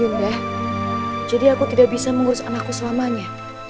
indah jadi aku tidak bisa mengurus anakku selamanya